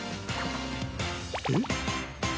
えっ？